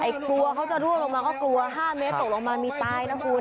กลัวเขาจะรั่วลงมาก็กลัว๕เมตรตกลงมามีตายนะคุณ